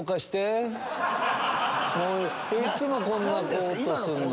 いっつもこんなことすんの。